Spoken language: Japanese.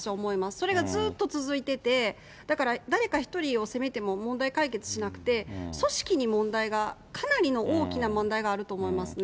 それがずっと続いてて、だから、誰か一人を責めても問題解決しなくて、組織に問題が、かなりの大きな問題があると思いますね。